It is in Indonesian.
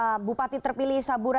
dari lolosnya bupati terpilih saburejwa